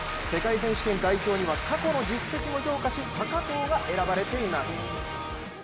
世界選手権代表には過去の実績も評価し高藤が選ばれています。